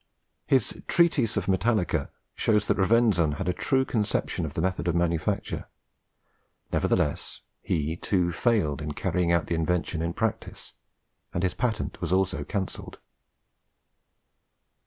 His 'Treatise of Metallica' shows that Rovenzon had a true conception of the method of manufacture. Nevertheless he, too, failed in carrying out the invention in practice, and his patent was also cancelled.